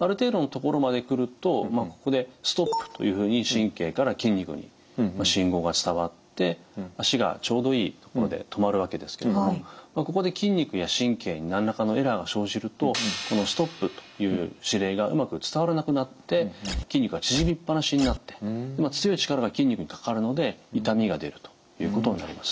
ある程度のところまでくるとここでストップというふうに神経から筋肉に信号が伝わって足がちょうどいいところで止まるわけですけれどもここで筋肉や神経に何らかのエラーが生じるとこのストップという指令がうまく伝わらなくなって筋肉が縮みっぱなしになって強い力が筋肉にかかるので痛みが出るということになります。